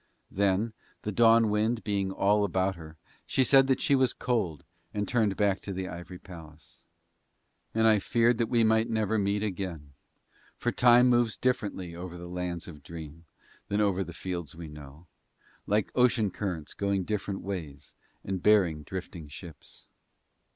Then, the dawn wind being all about her, she said that she was cold and turned back into the ivory palace. And I feared that we might never meet again, for time moves differently over the Lands of Dream than over the fields we know; like ocean currents going different ways and bearing drifting ships.